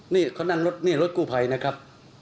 นี่เค้านั่งรถรถกู้ไผลนะครับ